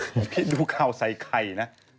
หลวงพี่ดูกาวใส่ไข่นะ